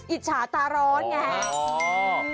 อิจฉาตรร้อนไงอืมอ๋ออ๋ออืม